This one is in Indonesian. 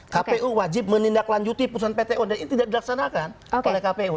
kpu wajib menindaklanjuti putusan pt un dan ini tidak dilaksanakan oleh kpu